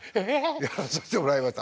やらさせてもらいました。